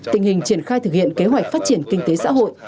tình hình triển khai thực hiện kế hoạch phát triển kinh tế xã hội